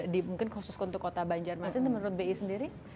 di mungkin khusus untuk kota banjarmasin menurut bi sendiri